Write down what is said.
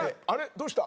どうした？